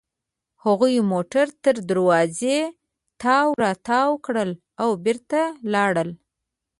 هغوی موټر تر دروازې تاو راتاو کړل او بېرته لاړل.